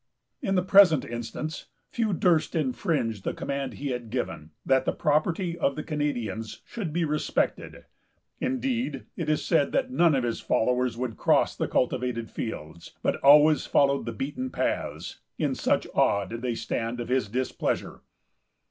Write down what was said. In the present instance, few durst infringe the command he had given, that the property of the Canadians should be respected; indeed, it is said that none of his followers would cross the cultivated fields, but always followed the beaten paths; in such awe did they stand of his displeasure.